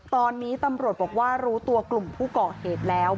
ตอนนี้ตำรวจบอกว่ารู้ตัวกลุ่มผู้ก่อเหตุแล้ว